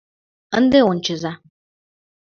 Ынде ончыза...